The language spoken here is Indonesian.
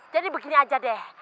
jadi begini aja deh